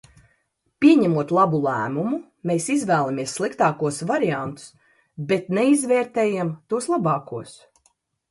Pieņemot labu lēmumu, mēs izvēlamies sliktākos variantus, bet neizvērtējam tos labākos.